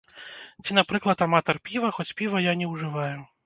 Ці, напрыклад, аматар піва, хоць піва я не ўжываю.